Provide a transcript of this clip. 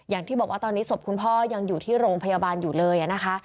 อย่างที่บอกว่าตอนนี้ศพคุณพ่อยังอยู่ที่โรงพยาบาลอยู่เลยนะคะ